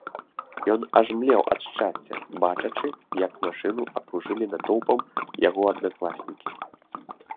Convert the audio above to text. Ён аж млеў ад шчасця, бачачы, як машыну акружылі натоўпам яго аднакласнікі.